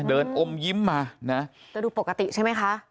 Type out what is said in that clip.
เดินอมยิ้มมานะแต่ดูปกติใช่ไหมคะ